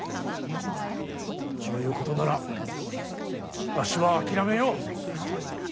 そういうことならわしは諦めよう。